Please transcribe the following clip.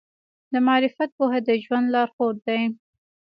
د معرفت پوهه د ژوند لارښود دی.